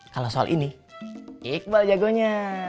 kalau soal ini iqbal jagonya